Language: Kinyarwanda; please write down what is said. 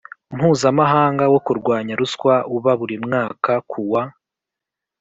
Mpuzamahanga wo kurwanya ruswa uba buri mwaka ku wa